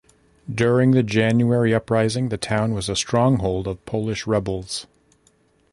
During the January Uprising, the town was a stronghold of Polish rebels.